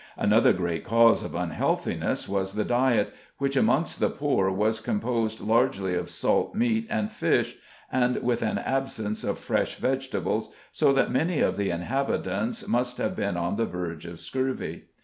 Another great cause of unhealthiness was the diet, which amongst the poor was composed largely of salt meat and fish, and with an absence of fresh vegetables, so that many of the inhabitants must have been on the verge of scurvy.